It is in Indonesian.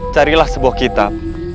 carilah sebuah kitab